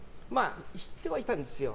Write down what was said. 知ってはいたんですよ。